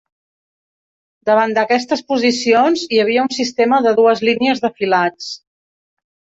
Davant d'aquestes posicions hi havia un sistema de dues línies de filats.